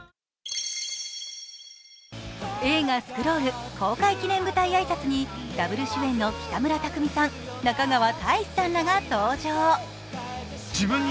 映画「スクロール」公開記念舞台挨拶にＷ主演の北村匠海さん、中川大志さんらが登場。